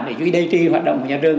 để duy trì hoạt động của nhà trường